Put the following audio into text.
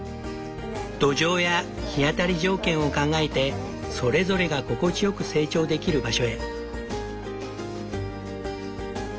土壌や日当たり条件を考えてそれぞれが心地よく成長できる場所へ。